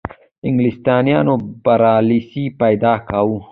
انګلیسیانو برلاسی پیدا کاوه.